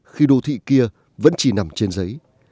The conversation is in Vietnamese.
khi đô thị kia vẫn chỉ nằm trên giấy